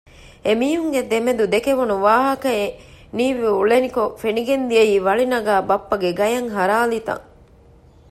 އެމީހުންގެ ދެމެދު ދެކެވުނު ވާހަކައެއް ނީވި އުޅެނިކޮށް ފެނިގެން ދިޔައީ ވަޅި ނަގާ ބައްޕަގެ ގަޔަށް ހަރާލި ތަން